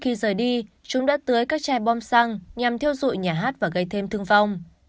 khi chúng đã tưới các chai bom xăng nhằm thiêu dụi nhà hát và gây thêm thương vong